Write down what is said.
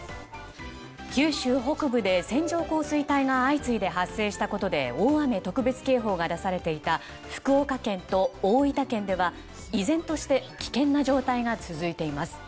九州北部で線状降水帯が相次いで発生したことで大雨特別警報が出されていた福岡県と大分県では依然として危険な状態が続いています。